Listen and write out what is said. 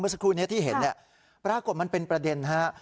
เมื่อสักครู่นี้ที่เห็นปรากฏมันเป็นประเด็นครับ